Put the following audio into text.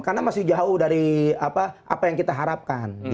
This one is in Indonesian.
karena masih jauh dari apa yang kita harapkan